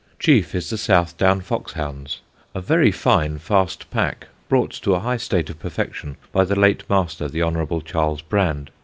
Chief is the Southdown Fox Hounds, a very fine, fast pack brought to a high state of perfection by the late master, the Hon. Charles Brand.